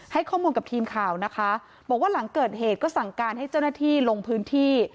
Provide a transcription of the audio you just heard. ให้ข้อมูลกับทีมข่าวนะคะบอกว่าหลังเกิดเหตุก็สั่งการให้เจ้าหน้าที่ลงพื้นที่